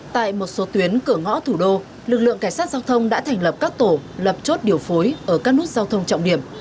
tại một số tuyến cửa ngõ thủ đô lực lượng cảnh sát giao thông đã thành lập các tổ lập chốt điều phối ở các nút giao thông trọng điểm